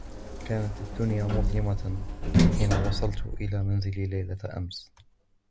كانت الدنيا مظلمةً حين وصلت إلى منزلي ليلة أمس.